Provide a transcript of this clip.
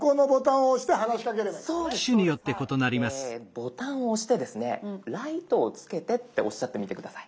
ボタンを押してですね「ライトをつけて」っておっしゃってみて下さい。